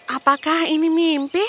apakah ini mimpi